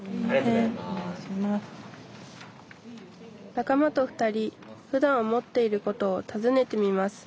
仲間と２人ふだん思っていることをたずねてみます